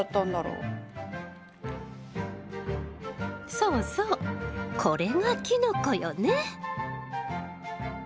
そうそうこれがキノコよね。